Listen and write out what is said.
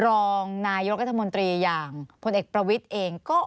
สนุนโดยน้ำดื่มสิง